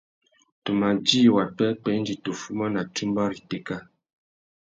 Tu ma djï wapwêpwê indi tu fuma na tsumba râ itéka.